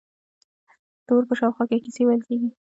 د اور په شاوخوا کې کیسې ویل کیږي.